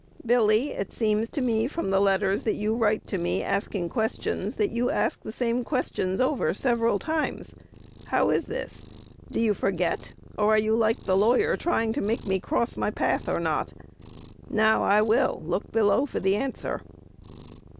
"Billy, it seems to me, from the letters that you write to me asking questions, that you ask the same questions over several times. How is this? Do you forget, or are you like the lawyer, trying to make me cross my path, or not? Now, I will. Look below for the answer."